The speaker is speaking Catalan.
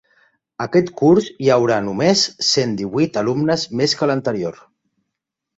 Aquest curs hi haurà només cent divuit alumnes més que l’anterior.